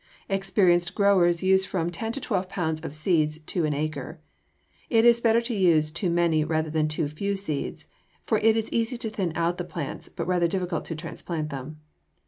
Experienced growers use from ten to twelve pounds of seeds to an acre. It is better to use too many rather than too few seeds, for it is easy to thin out the plants, but rather difficult to transplant them.